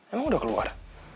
emang udah keluar